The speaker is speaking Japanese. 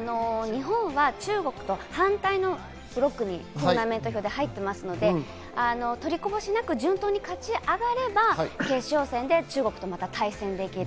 日本は中国と反対のブロックにトーナメント表で入っていますので取りこぼしなく順当に勝ち上がれば、決勝戦で中国とまた対戦できる。